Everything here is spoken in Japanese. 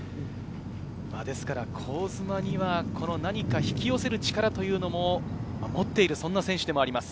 ですから、香妻には何か引き寄せる力というのも持っている、そんな選手でもあります。